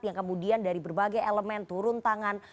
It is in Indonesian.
yang kemudian dari berbagai elemen turun tangan